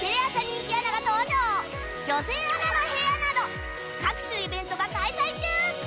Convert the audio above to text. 「女性アナの部屋」など各種イベントが開催中！